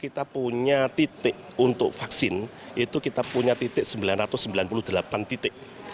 kita punya titik untuk vaksin itu kita punya titik sembilan ratus sembilan puluh delapan titik